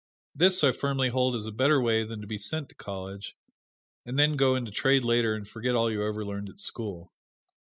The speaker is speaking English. This I firmly hold is a better way than to be sent to college and then go into trade later and forget all you ever learned at school.